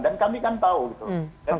ya kami kan tahu gitu loh